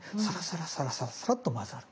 サラサラサラっと混ざる。